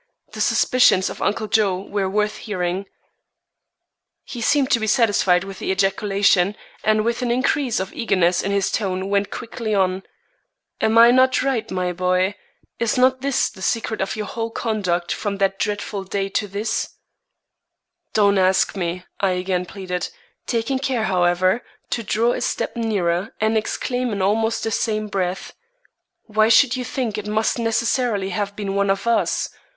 The suspicions of Uncle Joe were worth hearing. He seemed to be satisfied with the ejaculation, and with an increase of eagerness in his tone, went quickly on: "Am I not right, my boy? Is not this the secret of your whole conduct from that dreadful day to this?" "Don't ask me," I again pleaded, taking care, however, to draw a step nearer and exclaim in almost the same breath: "Why should you think it must necessarily have been one of us?